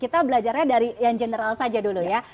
kita belajarnya dari yang general saja dulu ya